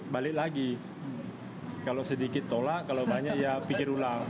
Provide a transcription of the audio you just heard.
balik lagi kalau sedikit tolak kalau banyak ya pikir ulang